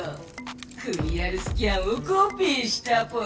クリアルスキャンをコピーしたぽよ。